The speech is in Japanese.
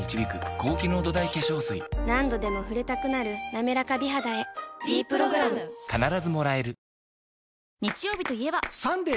何度でも触れたくなる「なめらか美肌」へ「ｄプログラム」「キュレル」